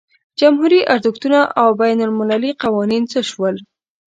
جمهوري ارزښتونه او بین المللي قوانین څه شول.